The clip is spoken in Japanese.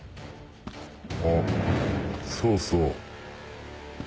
あっそうそう。